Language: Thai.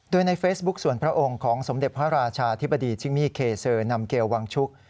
โดยในเฟซบุ๊คส่วนพระองค์ของสมเด็จพระราชาธิบดีจิมี่เคเซอร์นำเกลวังชุก